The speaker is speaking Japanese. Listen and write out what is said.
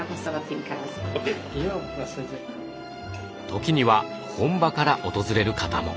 時には本場から訪れる方も。